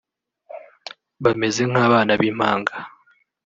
Bameze nk’abana b’impanga